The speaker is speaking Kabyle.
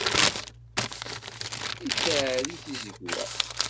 Ittɛerri tizegwa.